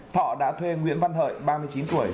thọ đã thuê nguyễn văn hợi ba mươi chín tuổi